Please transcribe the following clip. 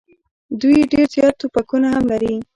دوی ډېر زیات توپکونه هم لري.